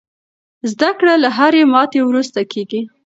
زده کړه له هرې ماتې وروسته کېږي.